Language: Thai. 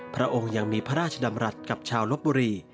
พระองค์ยังมีพระราชดำรัฐกับชาวลบบุรี